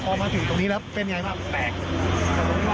ก็บอกเกี่ยวจะระบะเลือกเราไปหาหัวขัม